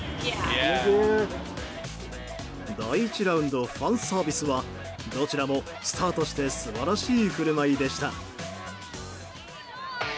第１ラウンドファンサービスはどちらもスターとして素晴らしい振る舞いでした。